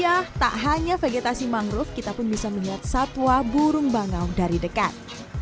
ya tak hanya vegetasi mangrove kita pun bisa melihat satwa burung bangau dari dekat